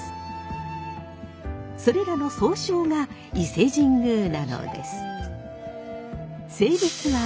それらの総称が伊勢神宮なのです。